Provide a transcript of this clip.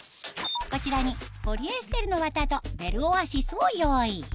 こちらにポリエステルのわたとベルオアシスを用意